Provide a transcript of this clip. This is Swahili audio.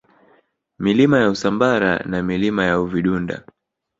Milima ya Usambara na Milima ya Uvidunda